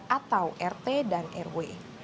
atau rt dan rw